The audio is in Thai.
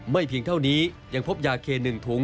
เพียงเท่านี้ยังพบยาเค๑ถุง